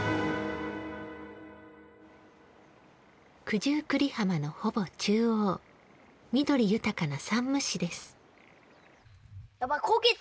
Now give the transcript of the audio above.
九十九里浜のほぼ中央緑豊かな山武市です。